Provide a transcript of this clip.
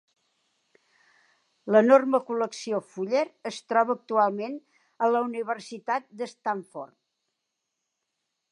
L'enorme col·lecció Fuller es troba actualment a la Universitat de Stanford.